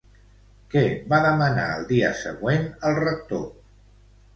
Què va demanar el dia següent al rector?